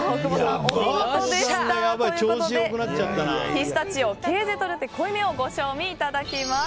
ピスタチオ・ケーゼ・トルテ濃いめをご賞味いただきます。